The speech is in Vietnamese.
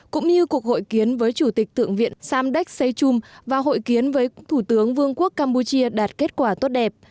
cũng như cuộc hội kiến với chủ tịch thượng viện samdek seychum và hội kiến với thủ tướng vương quốc campuchia đạt kết quả tốt đẹp